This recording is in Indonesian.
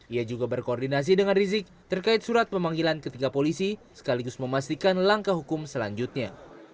ia juga berkoordinasi dengan rizik terkait surat pemanggilan ketiga polisi sekaligus memastikan langkah hukum selanjutnya